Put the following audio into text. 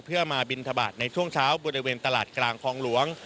เพื่อมาบินทบาทในช่วงเช้าบริเวณตลาดกลางคลองหลวง